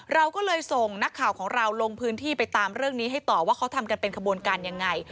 เราก็เลยส่งนักข่าวของเราลงพื้นที่ไปตามเรื่องนี้ให้ต่อว่าเขาทำกันเป็นขบวนการยังไง